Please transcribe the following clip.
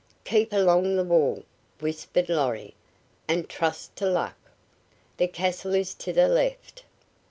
"Keep along the wall," whispered Lorry, "and trust to luck. The castle is to the left."